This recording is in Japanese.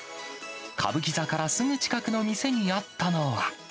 歌舞伎座からすぐ近くの店にあったのは。